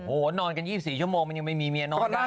โอ้โหนอนกัน๒๔ชั่วโมงมันยังไม่มีเมียนอนได้